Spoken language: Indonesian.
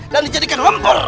dan dijadikan rempul